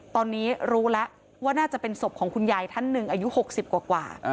ตอนนี้รู้แล้วว่าน่าจะเป็นศพของคุณยายท่านหนึ่งอายุ๖๐กว่า